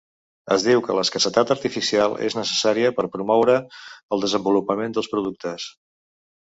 Es diu que l'escassetat artificial és necessària per promoure el desenvolupament dels productes.